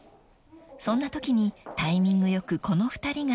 ［そんなときにタイミング良くこの２人が］